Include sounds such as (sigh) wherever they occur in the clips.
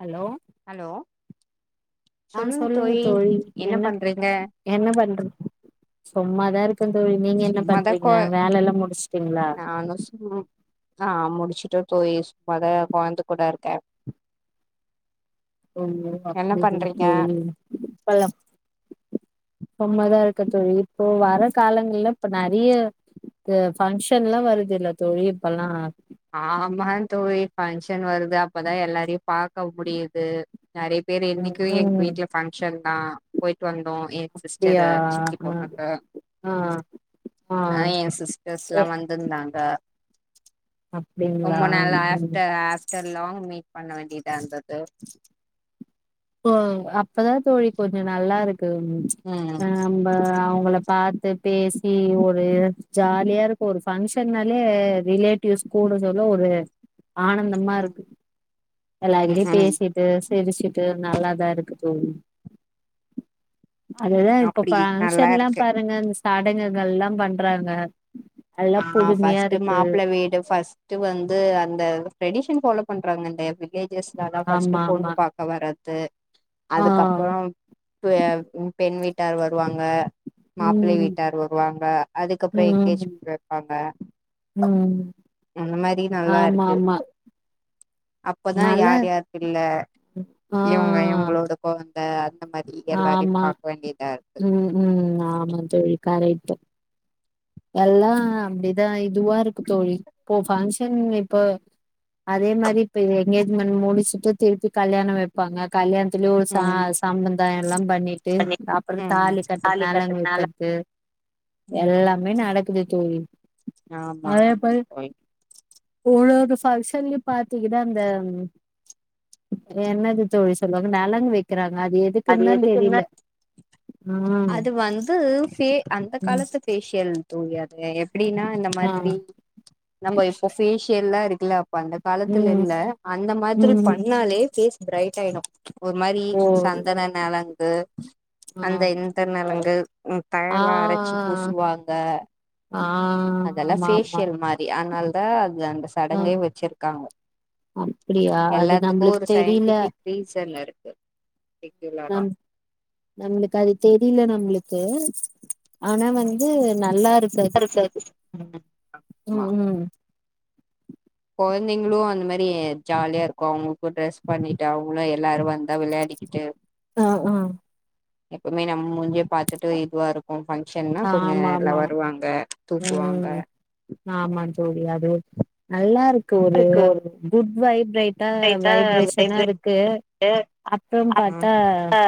hello hello சொல்லுங் தோழி என்ன பண்றீங்க என்ன பண்றத் சும்மாதா இருக் ணக்கம் தோழி நீங்க என்ன சும்மாதா பண்றீங்க வேலல்லா முடிச்சுட்டீங்களா மனசு ஆ முடிச்சுட்டு தோழி சும்மாதா கொழந்த கூட இருக்கே ஓ என்ன அப்டி இல்ல பண்றீங்க தோழி நம்மதா இருக்க தோழி இப்போ வர காலங்கள்ல இப்ப நெறைய து பங்க்ஷன்ல்லா வருதுதில்ல தோழி இப்பெல்லா ஆமா தோழி பங்க்ஷன் வருது அப்பதா எல்லாரையு பாக்க முடியுது நெறைய பேரு ம் இன்னைக்கு எங்க ம் வீட்டுல பங்க்ஷன் தா போயிட்டு வந்தோ என் அப்டியா சிஸ்டரு சித்தி ஆ பொண்ணுக்கு ஆ அ ஆ என் சிஸ்டர்ஸ்ல்லா வந்திருந்தாங்க அப்டிங்களா ரொம்ப நாள் ம் ஆஃப்டர் ஆஃப்டர் லாங் மீட் பண்ண வேண்டியதா இருந்தது தோ அப்பதா தோழி கொஞ்சோ நல்லாருக்கு ம் ஆ ப்ப அவங்கள பாத்து பேசி ஒரு ஜாலியாருக்கு ஒரு பங்க்ஷனாலே ரிலேட் டிவ்ஸ் கூட சொல்ல ஒரு ஆனந்தமா ம் இருக்கு எல்லாருகிடையு ம் ம் பேசிட்டு சிரிச்சுட்டு டு நல்லாதா இருக்கு தோழி அதுதா இப்ப அப்டி நல்லா பங்க்ஷன்ல்லா இருக்கு பாருங்க இந்த சடகுகள்ல்லா பண்றாங்க அதெல்லா ஆ புதுமையா ஃபஸ்ட்டு இருக்கு மாப்பிள்ள வீடு பஸ்ட் டு வந்து அந்த ட்ரெடிஷன் பாலோ பண்றாங்க இந்த வில்லேஜஸ்லலா பஸ்ட் ஆமா ஆமா பொண்ணு பாக்க வரறத்து ஆ அதுக்கப்றோம் பெண் வீட்டார் வருவாங்க மாப்பிளை ம் வீட்டார் வருவாங்க அதுக்கப்றோ ம் எனங்கேஜ்மெண்ட் வெப்பாங்க ம் அந்த மாறி ஆமா நல்லாருக்கு ஆமா அப்பதா நல்லா யார் யார் பிள்ள ஆ இவங்க இவங்களோட கொழந்த அந்த மாறி எல்லாரையு ஆமா பாக்க வேண்டியதா இருக்கு கரெக்ட்டு எல்லா அப்படிதா இதுவா இருக்கு தோழி இப்போ பங்க்ஷன் இப்ப அதே மாறி இப்ப எங்கேஜ்மெண்ட் முடிச்சுட்டு திருப்பி கல்யாண வப் பாங்க கல்யாணத்துலயு ஒரு ச ம் சம்பந்தாயல்லா பண்ணி ட்டு அப்ற ம் தாலி கட்ட நால கட்றதுனால உங்களுக்கு (unintelligible) எல்லா ம் மே நடக்குது தோழி ஆமா அதா இப்ப ஆமாங்க தோழி (unintelligible) பங்சன்ல பாத்தீங்கன்னா அந்த என்னது தோழி சொல்லுவாங்க நழங்கு வைக்கிறாங்க அது அது எதுக்குன்னு தா எதுக்கு நா தெரியல ஆ அது வந்து ஃபே அந்த ம் காலத்து ஃபேஷியல் தோழி அது எப்டின்னா இந்த ஆ மாதிரி நம்ம இப்போ ஃபேஷியல்லா இருக்குல்ல அப்ப அந்த காலத்துல ம் இல்ல அந்த மாதிரி ம் பண்ணாலே பேஸ் பிரரைட் ஆயிடும் ஒரு மாறி ஓ சந்தன நழங்கு ஆ அந்த இந்த நலங்கு தயலா அரைச்சு ஆ பூசுவாங்க ஆ அதெல்லா ஆமா ஆமா பேஷியல் மாறி அதனால தா அது அந்த ஆ சடங்கே வச்சிருக்காங்க அப்டியா அது எல்லாத்துக்கு நம்ளுக்கு ஒரு தெரில சயின்டிபிக் ரீசன் இருக்கு ரெகுலரா நம்மளுக்கு அது தெரியல நம்ளுக்கு ஆனா வந்து நல்லா இருக் கு அது ம் ஆமா ம் ம் கொழந்தைங்களு அந்த மாறி ஜாலியா இருக்கு அவங்களுக்கு ட்ரெஸ் பண்ணிட்டு அவங்களு எல்லாரு வந்தா விளையாடிக் கிட்டு ஆ வ ஆ எப்பமே நம்ம மூஞ்சியா பாத்துட்டு இதுவா இருக்கு பங்க்ஷன்னா கொஞ்சோ ஆமா எல்லா ஆமா வருவாங்க தூக்குவாங்க ம் ஆமா தோழி அது நல்லா இருக்கு ஒரு குட் வைப்ரேட் தா லைட்டா வைப்ரேஷனா வைப்ரேட்டு இருக்கு அப்புறம் பார்த்தா ஆ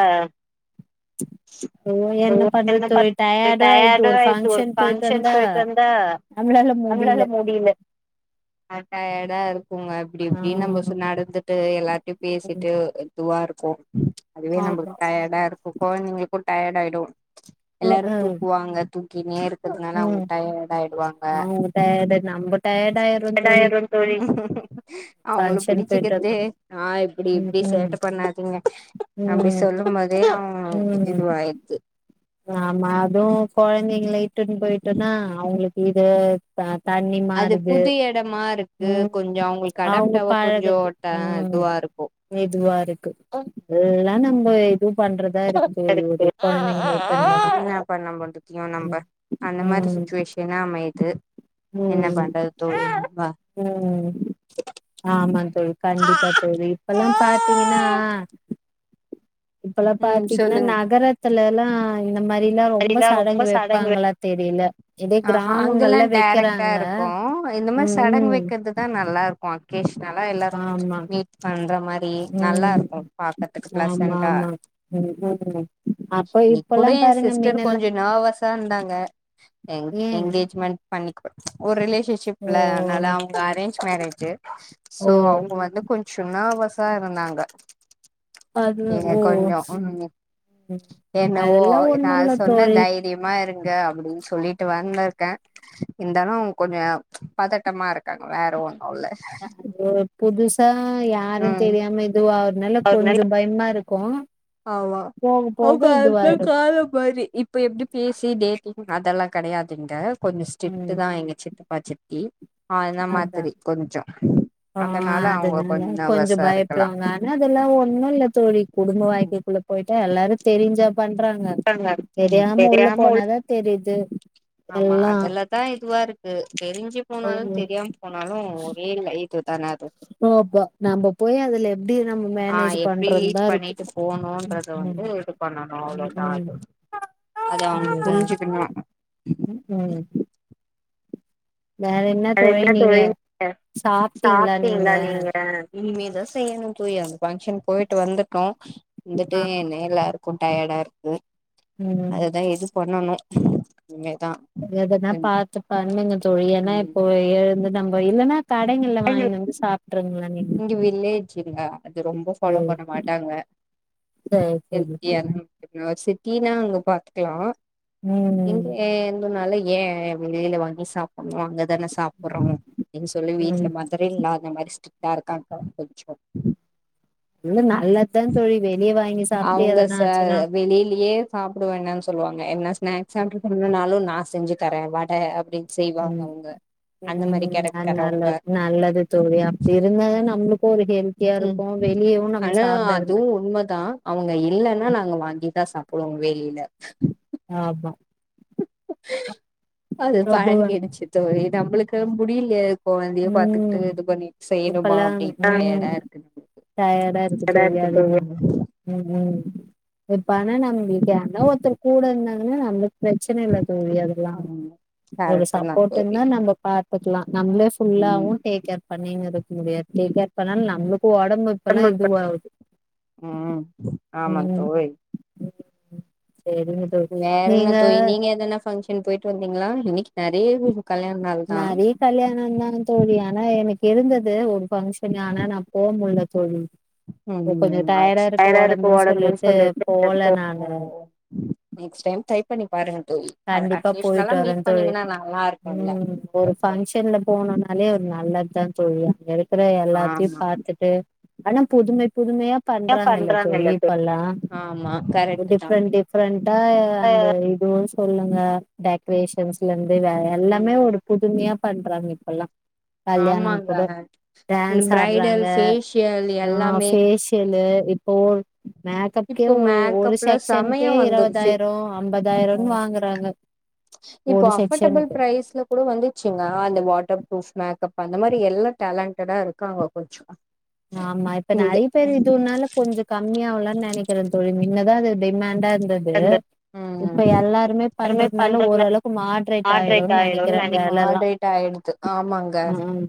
ஓ என்ன பண்றது தோழி டயர்டாயிருது டயர்டு ஒரு ஆயிடுது ஃபங்க்ஷன் போய்ட்டு ஃபங்க்ஷன் வந்தா நம்ளால முடில முடில அ டயர்டா இருக்குங்க அப்டி ஆ இப்டி நம்ம சு நடந்துட்டு எல்லா ம், பேசிட்டு இதுவா இருக்கு அதுவே நம்மளுக்கு ஆமா டயர்டா இருக்கு குழந்தைங்களுக்கு டயர்டாயிடு ம் எல்லாரு ம் தூக்குவாங்க தூக்கினே இருக்குதுனால அவுங்க டயடா ஆயிடுவாங்க உங் (unintelligible) நம்பர் சண்டயாயிரு தோழி அவுங்கள பங்க்ஷன் போயிட்டு புடிச்சிகிட்டே வந்தா ஆ இப்டி ம் இப்டி ம் சேட்ட பண்ணாதீங்க அப்டி ம் சொல்லும் போதே அ ம் இதுவாயிச்சி ஆமா அதுவு கொழந்தைங்க லைட்டுன்னு போய்ட்டோன்னா அவுங்களுக்கு இது தண்ணி அது மாறுது புது எடமா இருக்கு கொஞ்சோ ம் அவங்களுக்கு அவங்க அடாப்டாவா கொஞ்சோ பழகத்து ம் இதுவா இருக்கு ம் எல்லா நம்ம இதுவு பண்றதா இருக்குது தோழி ஒரு கொழந்தைங்கல இலுத்துன் போனா என்னா பண்ண முடியு நம்ம ம் அந்த மாரி ம் சுச்சுவேஷன அமையுது என்ன ம் பண்றது தோழி வா ம் ஆமா தோழி கண்டிப்பா தோழி இப்பல்லா பாத்தீங்கன்னா இப்பல்லா ம் பாத்தீங்கன்னா சொல்லுங்க நகரத்துலல்லா இந்த மாதிரில்லா ரொம்ப சடங்கு வப்பாங்களா தெரில இதே ஆஹா அங்கல்லா கிராமங்கள்ல டேரக்ட்டா வெக்கறாங்க இருக்கோ இந்த மாதிரி ம் சடங்கு ம் வக்கிறது தா நல்லா இருக்கு அகேஷ்னல்ல எல்லாரு ஆமா மீட் பண்ற மாரி நல்லா ம் இருக்கு பாக்குறதுக்கு ஆமா ப்ளசன்டா ஆமா ம் ம் அப்ப கூட இப்பல்லா எ பாருங்க சிஸ்டர் மின்னல்லா கொஞ்ச நெவஸா இருந்தாங்க எங் ஏ எங்கேஜ்மெண்ட் பண்ணி குடு ஒரு ஓ ரிலேஷன்ஷிப்ல அனாலா அரேஞ்ச் மேரேஜூ ஓ சோ அவுங்க வந்து கொஞ்ச நேவசா இருந்தாங்க அது நீங்க ஓ கொஞ்சோ ம் என்னவோ அதெல்லா நா ஒண்ணு அத இல்ல சொன்ன தோழி தைரியமா இருங்க அப்டின் சொல்லிட் ட்டு வந்த இருக்கே இருந்தாலு கொஞ்ச பதட்டமா இருக்காங்க வேற ஒன்னு இல்ல அது புதுசா யாரு ம் தெரியாம இது ஆவுறனால அதனால கொஞ்ச பயமா இருக்கு ஆமா போக போக இதுவாயிடு (unintelligible) இப்போ எப்பட பேசி டேட்டிங் அதெல்லா கெடையாதுங்க கொஞ்ச ம் ஸ்ட்ரிக்ட்டு தா எங்க சித்தப்பா சித்தி அத அதா மாதிரி கொஞ்ச ஆ அதனால அவுங்க அதனால கொஞ்ச கொஞ்சோ நர்வஸா இருக்கலா பயப்படுவாங்க அதெல்லா ஒன்னு இல்ல தொழி குடும்ப வாழ்க்கைக்குள்ள போயிட்டா எல்லாரு தெரிஞ்சா பண்றாங்க தெரியாம உள்ள போனாதா தெரியுது ஆமா எல்லா அதுலதா இதுவா இருக்கு தெரிஞ்சு போனாலு ஆமா தெரிய எம் போனாலு ஒரே லை இது தான அது ஆமா இப்ப நம்ப போயி அதுல எப்டி நம்ம ஆ மேனேஜ் எப்டி லீட் பண்றோந்தா இருக்கு பண்ணிட்டு ம் போணும்ன்றத வந்து இது பண்ணணு ம் அவ்ளோதா ம் அது அது அவுங்க அதுதா புரிஞ்சுக்கனு ம் ம் வேற என்ன வேற என்ன தோழி (inaudible) சாப்டீங்களா நீங்க இனிமே தா செய்யனு தோழி அந்த ஃபங்க்ஷன் போயிட்டு வந்துட்டோ வந்துட்டு ஆ (unintelligible) க்கும் டயடா இருக்கு ம் அதுதா எது பண்ணணு இனிமே தா அது எதுனா பாத்து பண்ணுங்க தோழி ஏனா இப்ப எழுந்து நம்ம இல்லன்னா கடைங்கள்ல வாங்கின்னு வந்து சாப்ட்டுருங்ளே இன்னைக்கி இங்க வில்லேஜ்ங்க அது ரொம்ப ஃபாலோ ம் பண்ண மாட்டாங்க செரி செரி தோழி இப்போன்னா ஒரு சிட்டினா அங்க பாத்துக்லா இங்க ம் எந்துனாலு ஏ வெளியில வாங்கி சாப்புன்னு அங்கதான சாப்றோ சொல்லி ம் வீட்ல மதர் இன் லா அந்த மாதிரி ஸ்ட்ரிக்டா இருக்காங்க கொஞ்சோ இல்ல நல்லாத்தா தோழி வெளிய வாங் அவுங்க ச வெளியிலியே சாப்ட வேனான்னு சொல்லுவாங்க என்ன ஸ்னாக்ஸ் ஆர்டர் பண்ணனாலு நா செஞ்சி தர வட அப்டின் ம் ம் கேரக்டர்ரவங்க அதுனால நல்லது தோழி அப்டி இருந்தாத நம்ளுக்கு ஒரு ஹெல்த் ம் ஆனா அதுவு மாரி உண்மதா அவுங்க இல்லன்னா நாங்க வாங்கிதா சாப்டுவோ வெளியில ஆமா அது ரொம்பவே பழகிடுச்சு தோழி நம்மளுக்கு முடியில்ல கொழந்தையு பாத்துக்கிட்டு ம் இது பண்ணி செய்யணுமா அப்டின்ட்டு டயடா இருக்கு (unintelligible) டயடா இருக்கு தோழி அதுத ம் ம் இப்ப பண்ணலா உங்களுக்கு ஆனா யார்னா ஒருத்தர் கூட இருந்தாங் கனா நம்ளுக்கு பிரச்சன இல்ல தோழி அதெல்லா ம் ஆமா ஒரு கரெக்ட் தா சப்போர்ட் தோழி இருந்தா நம்ப பாத் க்லா நம்ளே ம் ஃபுல்லாவு டேக் கேர் பண்ணின்னு இருக்க முடியாது டேக் கேர் பண்ணாலு நம்ளுக்கு ஒடம்பு இப்பல்லா ஒடம்பு இப்ப இதுவாகுது ம் ஆமா தோழி செரிங்கத் வேற என்ன தோழி நீங்க எதனா ஃபங்க்ஷன் போயிட்டு வந்தீங்களா இன்னைக்கி நெறைய (unintelligible) கல்யாண நாள் தா நெறைய கல்யாணந்தா தோழி ஆனா எனக்கு இருந்தது ஒரு ஃபங்க்ஷன்னு ஆனா நா போ முல்ல தோழி ம் கொஞ்சோ ம் டயர்டா ஆயிருச்சு இருக்கு தைராய்டுக்கு ஒடம்புன்னு ஒடம்புனு சொல்லிட்டு போல நானு (unintelligible) நெக்ஸ்ட் டைம் ட்ரை பண்ணி பாருங்க தோழி அது கண்டிப்பா போயிட்டு அக்கேஷ்னலா வர மீட் தோழி பண்ணீங்கன்னா நல்லா இருக்குல்ல ம் ஒரு கொஞ்சோ ஃபங்க்ஷன்ல போன்னோன்னாலே ஒரு நல்லத்தா தோழி அங்க இருக்கற எல்லாத்தையு ஆமா பாத்துட்டு ஆனா புதுமை புதுமையா ஏ பண்றாங்கல்ல தோழி தோ இப்பல்லா ஆமா ஒரு கரெக்ட் தா டிஃபரெண்ட் டிஃபரெண்ட்டா அந்த இதுவு சொல்லுங்க டெக்ரேஷன்ஸ்லந்து வேற எல்லாமே ம் ஒரு புதுமையா பண்றாங்க இப்பல்லா கல்யாணம் ஆமாங்க கூட இந்த டான்ஸ் பிரைடல் ஆடுறாங்க ஃபேஷியல் ஆ எல்லாமே ஃபேஷியலு இப் ஓ மேக்கப்கே இப்போ ஒரு ஒரு மேக்கப்ல செமையா செக்ஷனுக்கே வந்துருச்சு இருவதாயிரோ ஐம்பதாயிரோ ம் வாங்குறாங்க இப்போ ஒரு அஃபர்டபிள் செக்ஷனுக்கு பிரைஸ்ல கூட வந்துச்சுங்க அந்த வாட்டர் ப்ரூஃப் மேக்கப் அந்த மாரி எல்லா டேலண்டடா இருக்காங்க கொஞ்சோ ஆமா இப்ப இங்க நெறைய பேர் இதுவுன்னால கொஞ்சோ கம்மியா ஆவுலான்னு நெனைக்கிற தோழி மின்னதா அது டிமேண்டா இ ந்தது ம் இப்ப எல்லாருமே யாருமே பண்றதுனால பண்றது ஓரளவுக்கு மாட்ரேட் ஆயிடோன்னு நெனைக்கிற வேலல்லா ட் ஆயிடுது ஆமாங்க ம்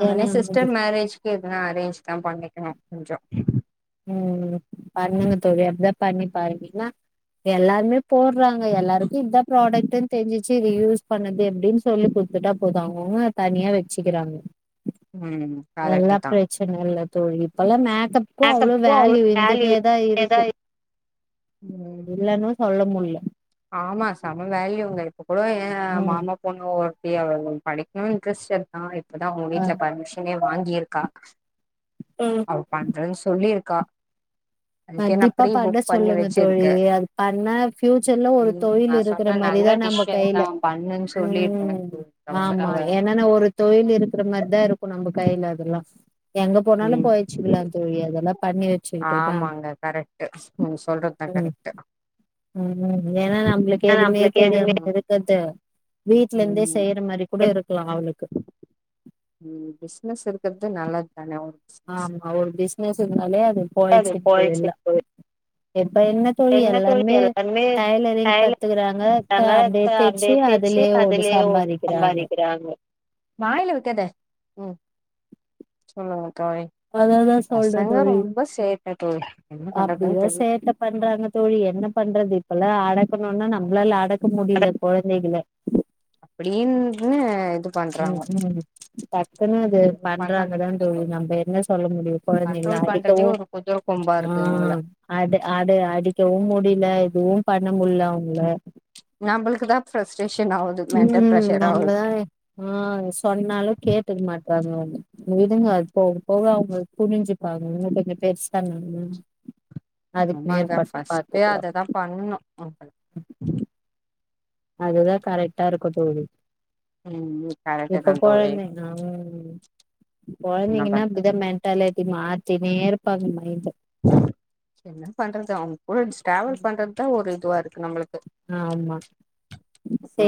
நானே ஏன்னா வந்து சிஸ்டர் மேரேஜ் க்கே எதுனா அரேஞ்ச் தா பண்ணிக்கனு கொஞ்சோ ம் பண்ணுங்க தோழி அப்டிதா பண்ணிப்பாருங்க ஏன்னா எல்லாருமே போட்றாங்க எல்லாருக்கு இதா ப்ராடக்ட்ன்னு தெரிஞ்சிச்சி இது யூஸ் பண்ணது எப்டின்னு சொ ல்லி குத்துட்டா போது அவுங்கவுங்க தனியா வெச்சிக்கிறாங்க ம் கரெக்ட் எல்லா தா பிரச்சன இல்ல தோழி இப்பல்லா மேக்கப் க்கு அவ்ளோ மேக்கப்க்கு வேல்யூ இருந்துனே வேல்யூ தா ஏதா இருக்கு ம் இல்லன்னு சொல்ல முல்ல ஆமா செம வேல்யூங்க இப்ப கூட ஏ ம் மாமா பொ ண்ணு ஒருத்தி அவ படிக்கணு இன்டரஸ்ட் இருக்கா இப்பாதா அவங்க ஆ வீட்டுல பர்மிஷ் ஷனே வாங்கியிருக்கா ஒ அவ பண்றேன்னு சொல்லியிருக்கா அதுக்கே நா கண்டிப்பா ப்ரீ பண்ண புக் பண்ணி சொல்லுங்க தோழி வச்சிருக்கே அது பண்ணா ஃபியூச்சர்ல ஒரு ம் நா தொழில் இருக்கிற சொன்னே மாரி நல்ல தா நம்ம டிசிஷன் தா கையில பண்ணுன்னு சொல்லிருக்கே ம் அவங்க ஆமா அவ என்னன்னா ஒரு தொழில் இருக்குற மாரிதா இருக்கு நம்ம கையில அதெல்லா ம் எங்க போனாலு ம் பொலச்சு க்குலா தோழி அதெல்லா பண்ணி வச் ஆமாங்க கரெக்ட்டு நீங்க சொல்றதுதா ம் கரெக்ட்டு ம் ஏன்னா நம்மளுக்கு எதுவுமே நம்மளுக்கு எதுவுமே தெரியாமல் இருக்கது வீட்ல இருந்தே ம் செய்யற மாரி கூட இருக்கலா அவளுக்கு ம் பிசினஸ் இருக்குறது நல்லது தானே அவொ அவ பிசினஸ் இருந்தாலே அது போழச்சிட்டு போயிடுச்சு போயில்லா தோழி இப்ப என்ன தோழி எல்லாருமே டைலரிங் டைலராங்க கத்துக்கறாங்க அப்டியே தேய்சு அதுலயே ஓடு சம்பாதிக் சம்பாதிக்கிறாங்க வாயில வைக்காத ம் சொல்லுங்க தோழி அததா சொல்ற பசங்க தோழி ரொம்ப சேட்ட தோழி என்ன பண்றதுன்னு அப்டிதா தெரியல சேட்ட பண்றாங்க தோழி என்ன பண்றது இப்பல்லா அடக்கணும்னா நம்மளால அடக்க முடியல கொழந்தைகள அப்டின்னு இது ம் பண்றாங்க ம் டக்குன்னு அது எதுவு பண்ண பண்றாங்கதா முடியல தோழி நம்ப என்ன சொல்ல முடியு கொழந்தைகள கண்ட்ரோல் பண்றதே அடிக்கவு ஒரு குதிர கொம்பா ஆ இருக்கு இவங்கள அத அத அடிக்கவு முடில இதுவு பண்ண முல்ல அவுங்கள நம்மளுக்குதா பிரஸ்ட்ரேஷன் ஆகுது ம் நம்மதா அ சொன்னாலு கேட்டுக்க மாட்டறாங்க ஒண்ணு விடுங்க அது போக போக அவுங்க புரிஞ்சு பாங்கன்ன (unintelligible) பெருசா ஆமாங்க பஸ்ட்டே அததா பண்ணு அதுதா கரெக்டா இருக்கு தோழி ம் கரெக்ட் இப்போ தா தோழி போயிந்த ஆ என்ன கொழந்தங்கின்னா பண்றது அப்டிதா மே (unintelligible) மாத்தினே இருப்பானுங்க மைன்ட என்ன பண்றது அவுங்க கூட டிராவல் பண்றது தா ஒரு இதுவா இருக்கு நம்மளுக்கு ஆமா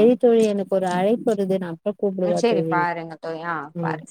ம் தோழி எனக்கு ஒரு அழைப்பு வருது நா அப்புற கூப்பிடுவா சேரி தோழி பாருங்க தோழி ஆ ம் பாருங்க